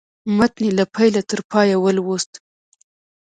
متن یې له پیله تر پایه ولوست.